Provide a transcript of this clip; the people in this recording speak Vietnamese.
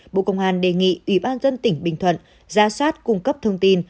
bộ công an đề nghị ủy ban dân tỉnh bình thuận ra soát cung cấp thông tin